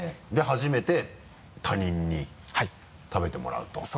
で初めて他人に食べてもらうと。